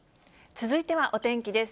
続いてはお天気です。